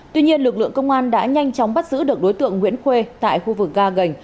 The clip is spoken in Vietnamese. tuy nhiên lực lượng công an đã nhanh chóng bắt giữ được đối tượng nguyễn khuê tại khu vực ga gành